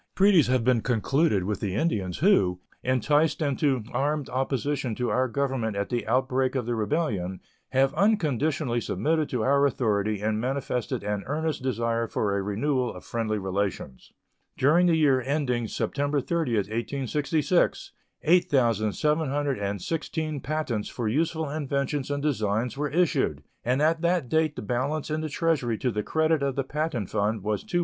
Treaties have been concluded with the Indians, who, enticed into armed opposition to our Government at the outbreak of the rebellion, have unconditionally submitted to our authority and manifested an earnest desire for a renewal of friendly relations. During the year ending September 30, 1866, 8,716 patents for useful inventions and designs were issued, and at that date the balance in the Treasury to the credit of the patent fund was $228,297.